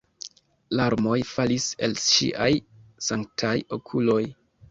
Larmoj falis el ŝiaj sanktaj okuloj.